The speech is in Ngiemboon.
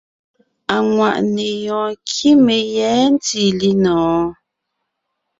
Aŋwàʼne yɔɔn kíme yɛ̌ ntí linɔ̀ɔn?